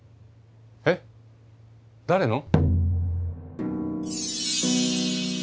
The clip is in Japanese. えっ誰の？